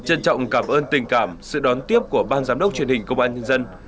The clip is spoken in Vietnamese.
trân trọng cảm ơn tình cảm sự đón tiếp của ban giám đốc truyền hình công an nhân dân